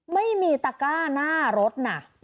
ไม่มีตะกร้าหน้ารถน่ะ